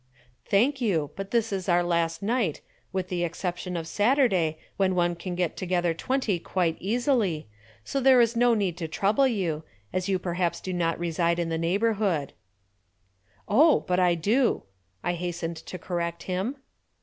"Thank you; but this is our last night, with the exception of Saturday, when one can get together twenty quite easily, so there is no need to trouble you, as you perhaps do not reside in the neighborhood." "Oh, but I do," I hastened to correct him.